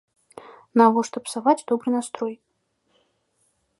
Навошта псаваць добры настрой?